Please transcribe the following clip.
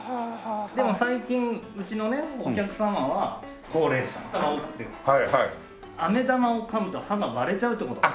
でも最近うちのねお客様は高齢者の方が多くてあめ玉をかむと歯が割れちゃうって事が。